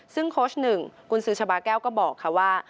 ซึ่งโค้ชหนึ่งกุญสือชาบาแก้วก็บอกค่ะว่า